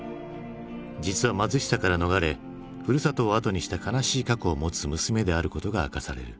実は貧しさから逃れふるさとを後にした悲しい過去を持つ娘であることが明かされる。